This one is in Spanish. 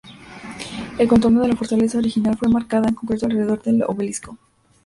El contorno de la fortaleza original fue marcada en concreto alrededor del obelisco.